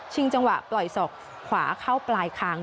จังหวะปล่อยศอกขวาเข้าปลายคาง